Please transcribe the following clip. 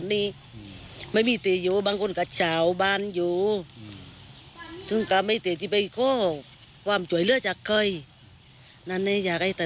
นั่นอยากให้ตัดในความเชื่อเกลือ